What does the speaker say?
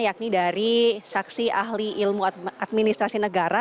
yakni dari saksi ahli ilmu administrasi negara